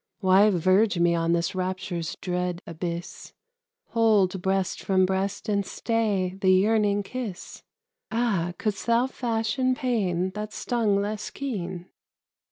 Why verge me on this rapture's dread abyss, Hold breast from breast and stay the yearning kiss? Ah, couldst thou fashion pain that stung less keen?